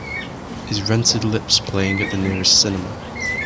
Is Rented Lips playing at the nearest cinema